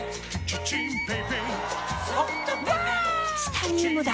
チタニウムだ！